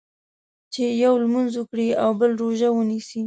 چې یو لمونځ وکړي او بل روژه ونیسي.